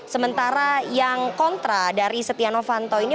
sementara yang kontra dari setia novanto ini